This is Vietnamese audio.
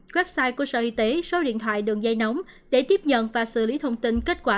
website của sở y tế số điện thoại đường dây nóng để tiếp nhận và xử lý thông tin kết quả